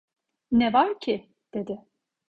Ne var ki, dedi.